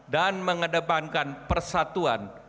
dan mengedepankan persatuan